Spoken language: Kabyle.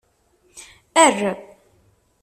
Err.